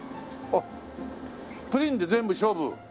あっプリンで全部勝負？